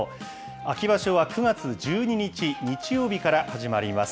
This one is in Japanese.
秋場所は９月１２日日曜日から始まります。